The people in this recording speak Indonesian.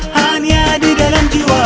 hanya di dalam jiwa